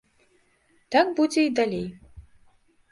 Так будзе і далей.